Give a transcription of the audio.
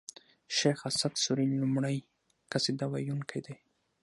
شېخ اسعد سوري لومړی قصيده و يونکی دﺉ.